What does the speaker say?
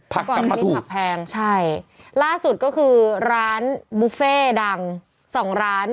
ผักกลับมาถูกใช่ล่าสุดก็คือร้านบุฟเฟ่ดัง๒ร้าน